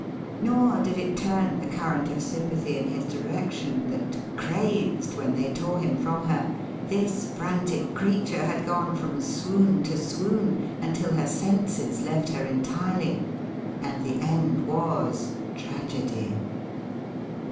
Nor did it turn the current of sympathy in his direction that, crazed when they tore him from her, this frantic creature had gone from swoon to swoon until her senses left her entirely, and the end was tragedy.